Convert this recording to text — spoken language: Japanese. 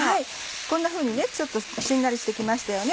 こんなふうにちょっとしんなりして来ましたよね。